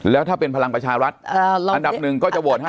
แล้วถ้าเป็นพลังประชารัฐอันดับหนึ่งก็จะโหวตให้